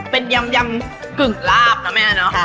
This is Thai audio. เป็นยำกึ่งลาบนะแม่เนอะ